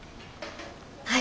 はい。